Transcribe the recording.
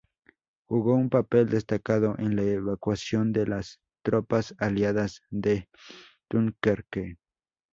Jugó un papel destacado en la evacuación de las tropas Aliadas de Dunkerque.